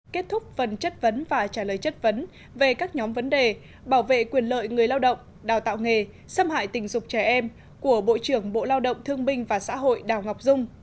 kết thúc phần chất vấn và trả lời chất vấn về các nhóm vấn đề bảo vệ quyền lợi người lao động đào tạo nghề xâm hại tình dục trẻ em của bộ trưởng bộ lao động thương binh và xã hội đào ngọc dung